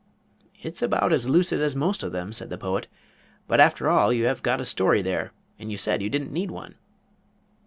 "It's about as lucid as most of them," said the Poet, "but after all you have got a story there, and you said you didn't need one."